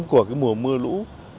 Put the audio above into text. của mùa mưa lũ